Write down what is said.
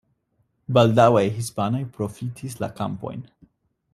Baldaŭe hispanoj profitis la kampojn.